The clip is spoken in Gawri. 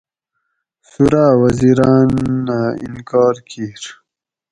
سوراۤ وزیراۤن اۤ انکار کِیر